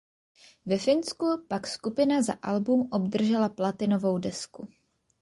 Ve Finsku pak skupina za album obdržela platinovou desku.